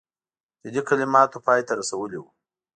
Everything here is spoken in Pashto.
جدي کلماتو پای ته رسولی وو.